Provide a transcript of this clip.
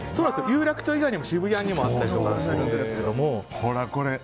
有楽町以外にも、渋谷にもあったりするんですけども。